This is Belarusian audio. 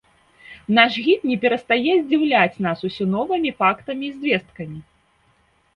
Наш гід не перастае здзіўляць нас усё новымі фактамі і звесткамі.